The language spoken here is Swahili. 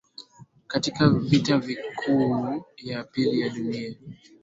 katika Vita Kuu ya Pili ya Dunia